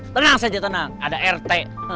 tenang saja tenang ada rt